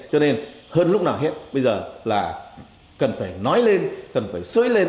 cho nên hơn lúc nào hết bây giờ là cần phải nói lên cần phải xới lên